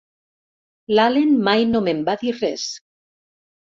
L'Allen mai no me'n va dir res!